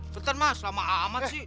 bentar mas lama amat sih